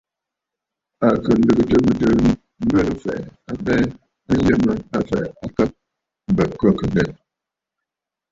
À kɨ lɨ̀gɨtə̀ mɨtɨ̀ɨ̂ mi mbɨɨnə̀ m̀fɛ̀ʼɛ̀ abɛɛ a yə mə a fɛ̀ʼɛ akə bə khə̂kə̀ lɛ.